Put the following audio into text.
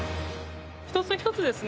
一つ一つですね